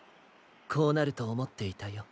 こうなるとおもっていたよ。